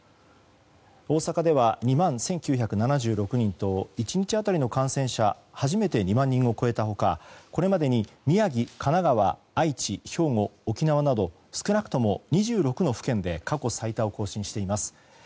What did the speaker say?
大阪では２万１９７６人と１日当たりの感染者が初めて２万人を超えた他これまでに宮城、神奈川、愛知兵庫、沖縄など少なくとも２６の府県で過去最多を更新しています。